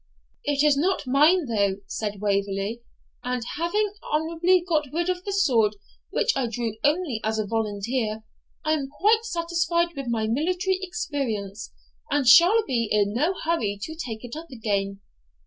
'It is not mine, though,' said Waverley; 'and having honourably got rid of the sword, which I drew only as a volunteer, I am quite satisfied with my military experience, and shall be in no hurry to take it up again.'